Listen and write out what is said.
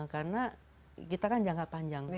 karena kita kan jangka panjang